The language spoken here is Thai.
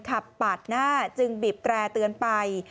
ขับปากหน้าจึงกำบิบแกรติวันไป